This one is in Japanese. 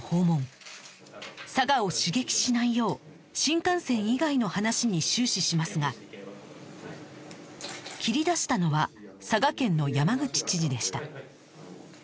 佐賀を刺激しないよう新幹線以外の話に終始しますが切り出したのは佐賀県の山口知事でした